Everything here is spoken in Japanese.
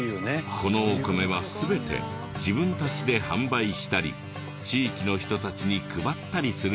このお米は全て自分たちで販売したり地域の人たちに配ったりするもので。